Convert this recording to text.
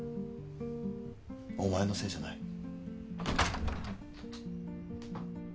お前のせいじゃない。